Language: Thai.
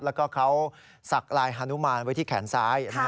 แล้วก็เขาสักลายฮานุมานไว้ที่แขนซ้าย